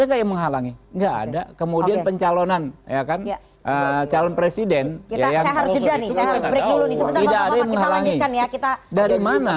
ada yang menghalangi enggak ada kemudian pencalonan ya kan calon presiden ya yang harus